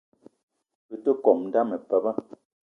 Be te kome dame pabe